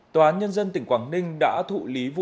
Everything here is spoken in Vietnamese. tòa án nhân dân tỉnh quảng ninh đã thụ lý vụ án